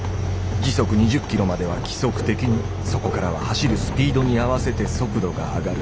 時速２０ｋｍまでは規則的にそこからは走るスピードに合わせて速度が上がる。